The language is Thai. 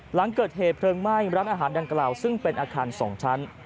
หลังเกิดเหตุเพลิงไหม้ร้านอาหารดังกล่าวซึ่งเป็นอาคาร๒ชั้น